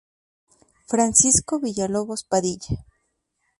Francisco Villalobos Padilla.